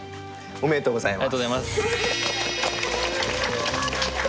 ありがとうございます。